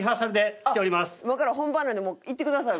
今から本番なんで行ってください